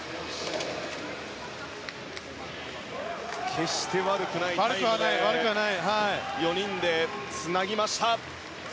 決して悪くはない泳ぎで４人でつなぎました。